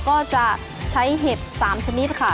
ก็จะใช้เห็ด๓ชนิดค่ะ